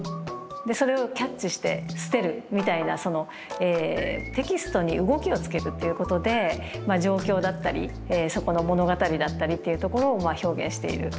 それをキャッチして捨てるみたいなテキストに動きをつけるっていうことでまあ状況だったりそこの物語だったりっていうところを表現している。